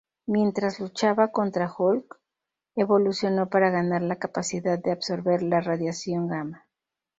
Mientras luchaba contra Hulk, evolucionó para ganar la capacidad de absorber la radiación gamma.